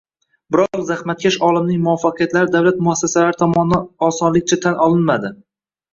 Biroq zahmatkash olimning muvaffaqiyatlari davlat muassasalari tomonidan osonlikcha tan olinmadi